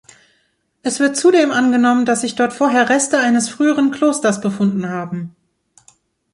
Es wird zudem angenommen, dass sich dort vorher Reste eines früheren Klosters befunden haben.